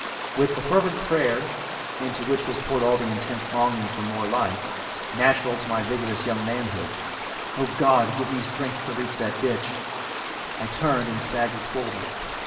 With the fervent prayer, into which was poured all the intense longing for more life, natural to my vigorous young manhood, "O, God, give me strength to reach that ditch," I turned and staggered forward.